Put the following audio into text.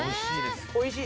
おいしい。